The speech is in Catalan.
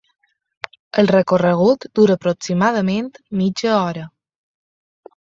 El recorregut dura aproximadament mitja hora.